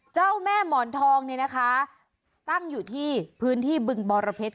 เจ้าแม่หมอนทองเนี่ยนะคะตั้งอยู่ที่พื้นที่บึงบรเพชร